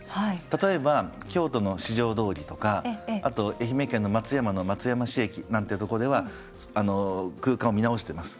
例えば京都の四条通とかあと愛媛県の松山の松山市駅なんてとこでは空間を見直しています。